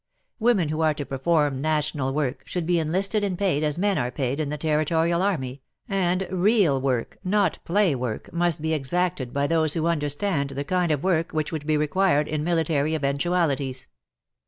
Women who are to perform national work should be enlisted and paid as men are paid in the Territorial army, and real work, not play work, must be exacted by those who understand the kind of work which would be required in military eventualities.